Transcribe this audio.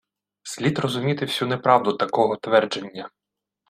Слід розуміти всю неправду такого твердження